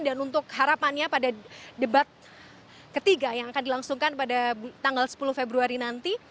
dan untuk harapannya pada debat ketiga yang akan dilangsungkan pada tanggal sepuluh februari nanti